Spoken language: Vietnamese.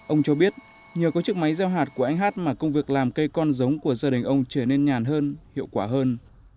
ông cho biết nhờ có chiếc máy gieo hạt của anh hát mà công việc làm cây con giống của gia đình ông trở nên nhàn hơn hiệu quả hơn